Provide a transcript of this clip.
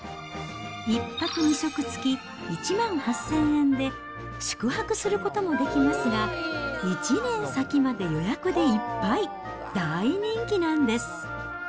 １泊２食付き１万８０００円で、宿泊することもできますが、１年先まで予約でいっぱい、大人気なんです。